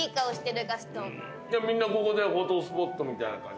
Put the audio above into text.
みんなここでフォトスポットみたいな感じで？